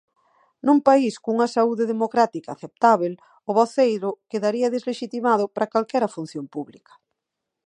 Nun país cunha saúde democrática aceptábel, o voceiro quedaría deslexitimado para calquera función pública.